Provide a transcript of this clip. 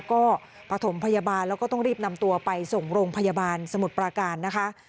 ก็ปฐมพยาบาลแล้วก็ต้องรีบนำตัวไปส่งโรงพยาบาลสมุทรปราการนะคะ